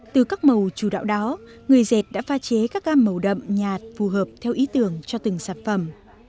từ các màu chủ đạo đó người dệt đã pha chế các gam màu đậm nhạt phù hợp theo ý tưởng cho từng sản phẩm